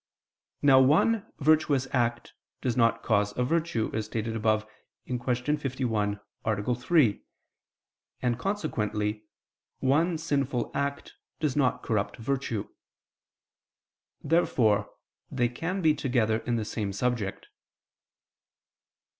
Now one virtuous act does not cause a virtue, as stated above (Q. 51, A. 3): and, consequently, one sinful act does not corrupt virtue. Therefore they can be together in the same subject.